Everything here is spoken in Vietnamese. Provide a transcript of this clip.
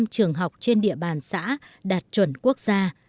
một trăm linh trường học trên địa bàn xã đạt chuẩn quốc gia